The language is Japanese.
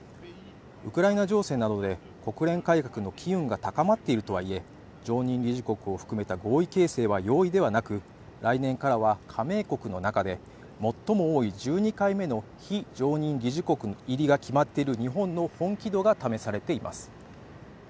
ウクライナ情勢などで国連改革の機運が高まっているとはいえ常任理事国を含めた合意形成は容易ではなく来年からは加盟国の中で最も多い１２回目の非常任理事国入りが決まっている日本の本気度が試されています